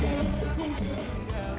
tapi mereka tidak